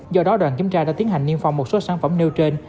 do đó đoàn kiểm tra đã tiến hành niêm phong một số sản phẩm nêu trên